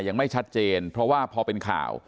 ยังไม่ชัดเจนเพราะว่าพอเป็นข่าว